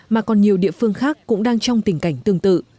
mà còn nhiều địa phương khác cũng đang trong tình cảnh tương tự